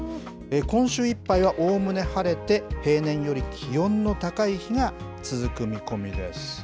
今週いっぱいはおおむね晴れて、平年より気温の高い日が続く見込みです。